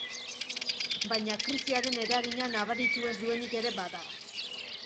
Baina krisiaren eragina nabaritu ez duenik ere bada.